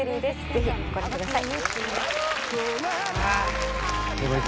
ぜひご覧ください